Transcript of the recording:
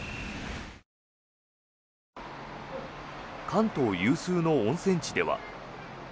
関東有数の温泉地では。